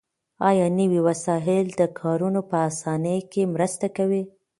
آیا نوي وسایل د کارونو په اسانۍ کې مرسته کوي؟